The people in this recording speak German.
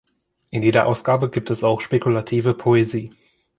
In jeder Ausgabe gibt es auch spekulative Poesie.